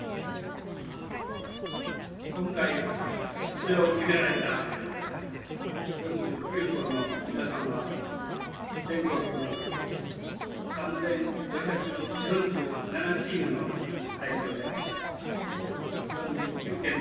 今回、出場を決められた４９校の皆さんは全国３５４７チームの代表であります。